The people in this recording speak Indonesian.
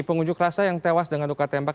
pengunjuk rasa yang tewas dengan luka tembak